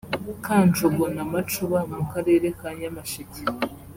Kanjongo na Macuba mu Karere ka Nyamasheke